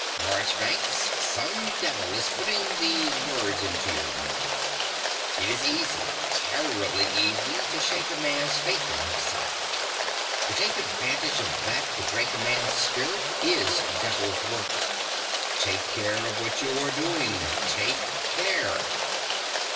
Marchbanks: some devil is putting these words into your mouth. It is easy terribly easy to shake a man's faith in himself. To take advantage of that to break a man's spirit is devil's work. Take care of what you are doing. Take care.